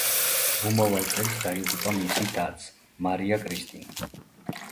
მომავალ წელს დაიღუპა მისი დაც, მარია კრისტინა.